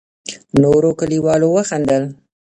نورو کليوالو وخندل.